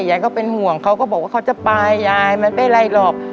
ยายก็เป็นห่วงเขาก็บอกว่าเขาจะไปยายมันไม่ไรหรอก